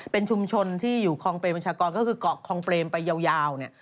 เป็นชุมชนที่อยู่คลองเปรมบัญชากรก็คือเกาะคองเปรมไปยาวเนี่ย